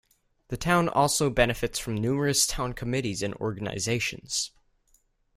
The town also benefits from numerous town committees and organizations.